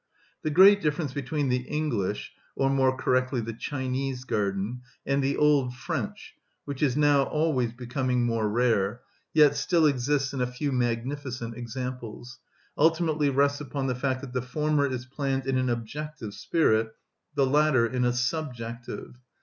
The great difference between the English, or more correctly the Chinese, garden and the old French, which is now always becoming more rare, yet still exists in a few magnificent examples, ultimately rests upon the fact that the former is planned in an objective spirit, the latter in a subjective.